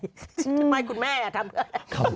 คุณแม่ทำเพื่ออะไร